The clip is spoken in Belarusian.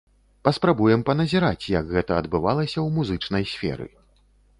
Паспрабуем паназіраць, як гэта адбывалася ў музычнай сферы.